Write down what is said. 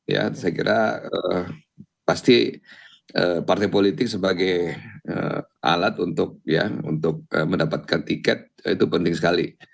ya saya kira pasti partai politik sebagai alat untuk mendapatkan tiket itu penting sekali